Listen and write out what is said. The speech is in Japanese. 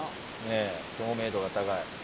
ねっ透明度が高い。